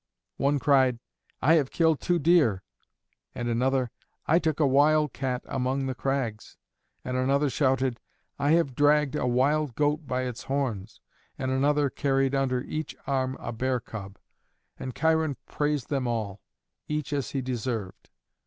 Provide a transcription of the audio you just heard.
One cried, "I have killed two deer," and another, "I took a wild cat among the crags," and another shouted, "I have dragged a wild goat by its horns," and another carried under each arm a bear cub. And Cheiron praised them all, each as he deserved.